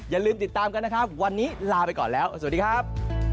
อย่าลืมติดตามกันนะครับวันนี้ลาไปก่อนแล้วสวัสดีครับ